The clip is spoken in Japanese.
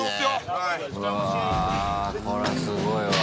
これはすごいわ。